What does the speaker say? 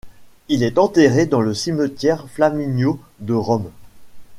Il est enterré dans le cimetière Flaminio de Rome.